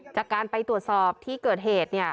จากการไปตรวจสอบที่เกิดเหตุ